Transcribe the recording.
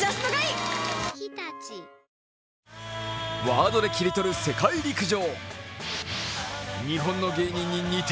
ワードで切り取る世界陸上。